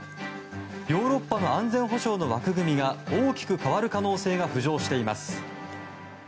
ヨーロッパの安全保障の枠組みが大きく変わる可能性が浮上しています。